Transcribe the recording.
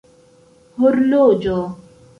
horloĝo